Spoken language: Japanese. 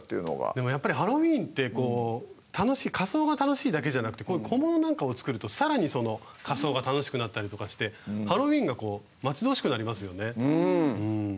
でもやっぱりハロウィーンって仮装が楽しいだけじゃなくて小物なんかを作るとさらに仮装が楽しくなったりとかしてハロウィーンが待ち遠しくなりますよね。